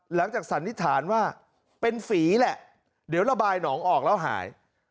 สันนิษฐานว่าเป็นฝีแหละเดี๋ยวระบายหนองออกแล้วหาย